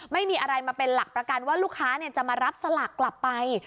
ไม่มีอะไรมาเป็นหลักประกันว่าลูกค้าจะมารับสลากกลับไป